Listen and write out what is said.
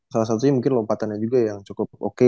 salah satunya mungkin lompatannya juga yang cukup oke